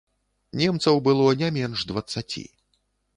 Немцаў было не менш дваццаці.